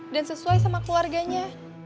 dan sesuai sama keluarganya